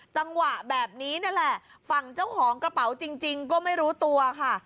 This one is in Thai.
จังหวะแบบนี้นั่นแหละฝั่งเจ้าของกระเป๋าจริงก็ไม่รู้ตัวค่ะ